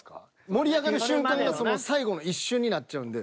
盛り上がる瞬間がその最後の一瞬になっちゃうんで。